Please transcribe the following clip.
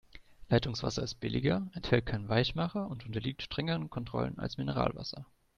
Leitungswasser ist billiger, enthält keinen Weichmacher und unterliegt strengeren Kontrollen als Mineralwasser.